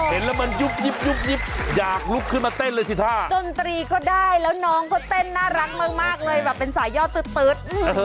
เห็นแล้วมันยุบยิบยุบยิบอยากลุกขึ้นมาเต้นเลยสิท่าดนตรีก็ได้แล้วน้องก็เต้นน่ารักมากเลยแบบเป็นสายย่อตื๊ด